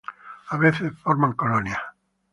A veces, forman colonias.